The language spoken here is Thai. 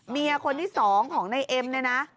เมียคนที่สองของนายเอ็มเนี่ยนะ